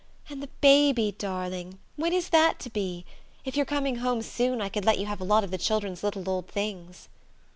And the baby, darling when is that to be? If you're coming home soon I could let you have a lot of the children's little old things."